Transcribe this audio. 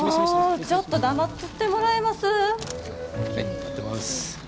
もうちょっと黙っとってもらえます？